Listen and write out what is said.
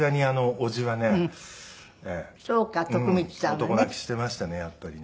男泣きしていましたねやっぱりね。